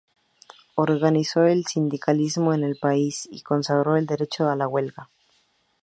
Organizó el sindicalismo en el país y consagró el derecho a la huelga.